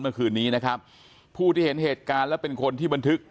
เมื่อคืนนี้นะครับผู้ที่เห็นเหตุการณ์และเป็นคนที่บันทึก